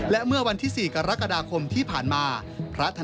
และเมื่อวันที่๔กรกฎาคมที่ผ่านมา